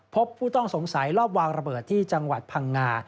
พบผู้ต้องสงสัยรอบวางระเบิดที่จังหวัดพังงา